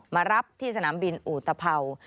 มารับที่สนามบินอู่ตะเผา